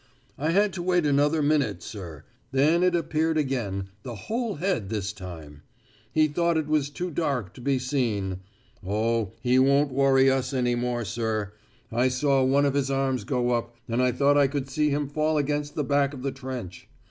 "I had to wait another minute, sir; then it appeared again, the whole head this time. He thought it was too dark to be seen ... Oh, he won't worry us any more, sir! I saw one of his arms go up, and I thought I could see him fall against the back of the trench.